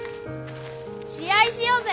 試合しようぜ。